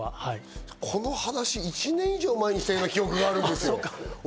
この話、１年以上前にした記憶があるんですよ。